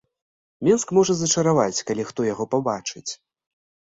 Менск можа зачараваць, калі хто яго пабачыць.